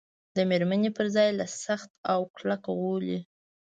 د مېرمنې پر ځای له سخت او کلک غولي.